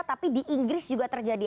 tapi di inggris juga terjadi